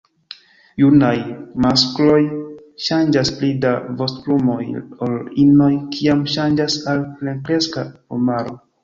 Junaj maskloj ŝanĝas pli da vostoplumoj ol inoj kiam ŝanĝas al plenkreska plumaro.